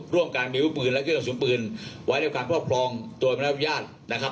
ร่วมการมีปืนและเครื่องสูญปืนไว้ในขังครอบครองตัวมนุษยานะครับ